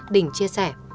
đình chia sẻ